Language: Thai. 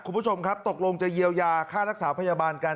คุณผู้ชมครับตกลงจะเยียวยาค่ารักษาพยาบาลกัน